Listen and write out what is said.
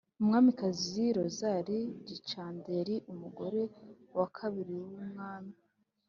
Umwamikazi Rosalie Gicanda yari umugore wa kabiri w’umwami.